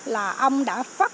là ông đã